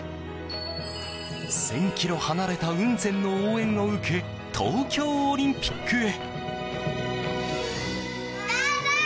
１０００ｋｍ離れた雲仙の応援を受け東京オリンピックへ。